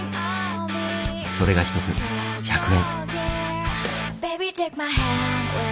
それが一つ１００円。